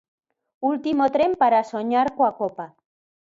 Último tren para soñar coa Copa.